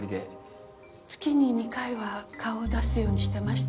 月に２回は顔を出すようにしていました。